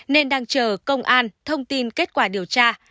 nên đang chờ công an thông tin kết quả điều tra